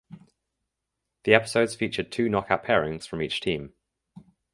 The episodes featured two knockout pairings from each team.